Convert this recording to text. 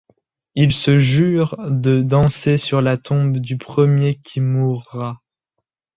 Ils se jurent de danser sur la tombe du premier qui mourra.